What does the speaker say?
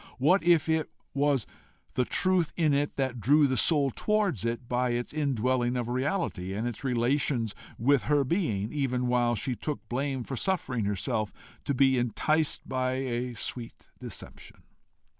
What if it was the truth in it that drew the soul towards it by its indwelling reality, and its relations with her being, even while she took blame for suffering herself to be enticed by a sweet deception?